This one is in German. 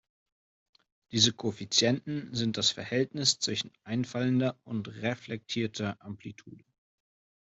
Diese Koeffizienten sind das Verhältnis zwischen einfallender und reflektierter Amplitude.